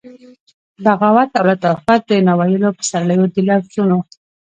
د بغاوت او لطافت د ناویلو پسرلیو د لفظونو،